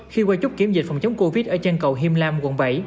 khi qua chốt kiểm dịch phòng chống covid ở chân cầu hiêm lam quận bảy